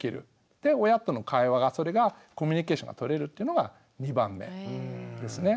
で親との会話がそれがコミュニケーションがとれるっていうのが２番目ですね。